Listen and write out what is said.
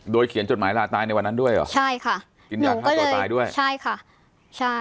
โดยเขียนจดหมายลาตายในวันนั้นด้วยเหรอใช่ค่ะกินยาฆ่าตัวตายด้วยใช่ค่ะใช่